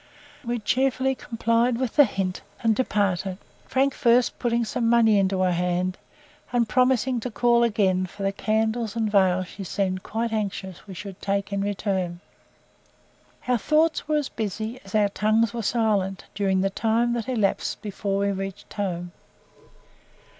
We cheerfully complied with the hint and departed, Frank first putting some money into her hand, and promising to call again for the candles and veils she seemed quite anxious we should take in return. Our thoughts were as busy as our tongues were silent, during the time that elapsed before we reached home.